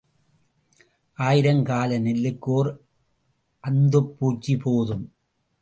ஆயிரம் கல நெல்லுக்கு ஓர் அந்துப் பூச்சி போதும்.